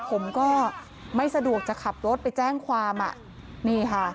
ผมก็ไม่สะดวกจะขับรถไปแจ้งความอ่ะนี่ค่ะ